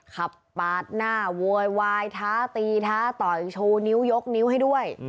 ขับปาดหน้าโวยวายท้าตีท้าต่อยชูนิ้วยกนิ้วให้ด้วย